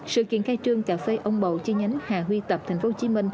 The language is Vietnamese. sự kiện khai trương cà phê ông bầu chi nhánh hà huy tập tp hcm